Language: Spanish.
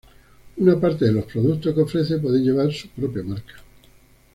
Una parte de los productos que ofrece pueden llevar su propia marca.